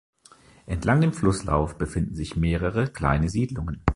Entlang dem Flusslauf befinden sich mehrere kleinere Siedlungen.